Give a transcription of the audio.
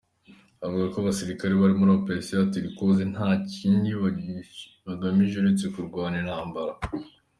Avuga ko abasirikare bari muri Opération Turquoise nta kindi bari bagamije uretse kurwana intambara.